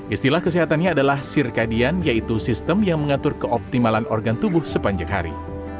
istilah kesehatannya adalah sirkadian yaitu sistem yang mengatur keoptimalan organ tubuh sepanjang hari